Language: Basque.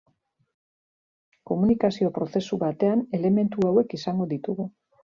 Komunikazio-prozesu batean, elementu hauek izango ditugu.